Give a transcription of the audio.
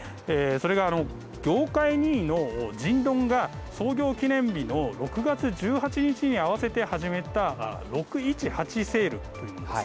それが業界２位の京東が創業記念日の６月１８日に合わせて始めた６１８セールというものです。